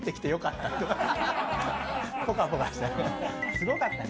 すごかったね。